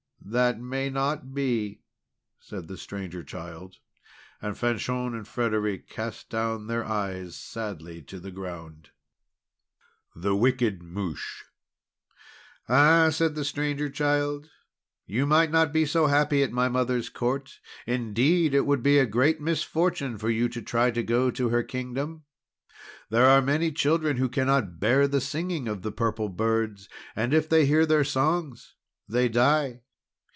"That may not be," said the Stranger Child. And Fanchon and Frederic cast down their eyes sadly to the ground. THE WICKED MOUCHE "Ah," said the Stranger Child, "you might not be so happy at my mother's Court. Indeed, it would be a great misfortune for you to try to go to her Kingdom. There are many children who cannot bear the singing of the Purple Birds, and, if they hear their songs, they die.